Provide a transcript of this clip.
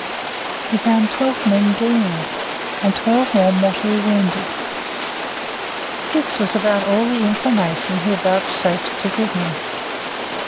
He found twelve men dead in it, and twelve more mortally wounded. This was about all the information he vouchsafed to give me.